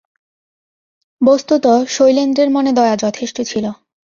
বস্তুত শৈলেন্দ্রের মনে দয়া যথেষ্ট ছিল।